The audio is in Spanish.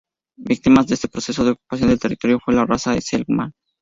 Víctimas de este proceso de ocupación del territorio fue la raza selknam.